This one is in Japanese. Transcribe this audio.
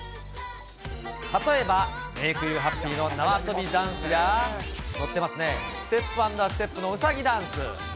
例えば、メイク・ユー・ハッピーの縄跳びダンスや、乗ってますね、ステップアンドアステップのうさぎダンス。